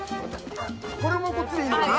これもこっちでいいのかな？